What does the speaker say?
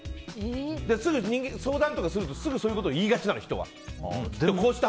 すぐ相談とかするとすぐそういうことを言いがちなの、人は。相談すると。